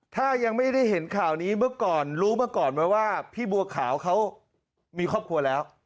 ถ้ายังไม่ได้เห็นข่าวนี้เมื่อก่อนรู้มาก่อนไหมว่าพี่บัวขาวเขามีครอบครัวแล้ว